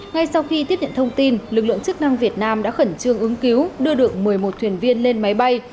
ngay sau khi tiếp nhận thông tin lực lượng chức năng việt nam đã khẩn trương ứng cứu đưa được một mươi một thuyền viên lên máy bay